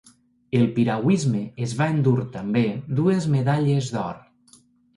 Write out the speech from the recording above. El piragüisme es va endur també dues medalles d’or.